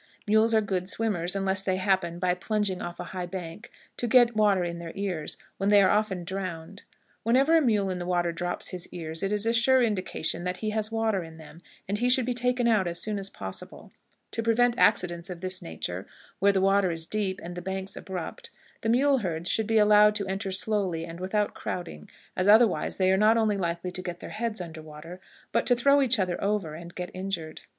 Mules are good swimmers unless they happen, by plunging off a high bank, to get water in their ears, when they are often drowned. Whenever a mule in the water drops his ears, it is a sure indication that he has water in them, and he should be taken out as soon as possible. To prevent accidents of this nature, where the water is deep and the banks abrupt, the mule herds should be allowed to enter slowly, and without crowding, as otherwise they are not only likely to get their heads under water, but to throw each other over and get injured.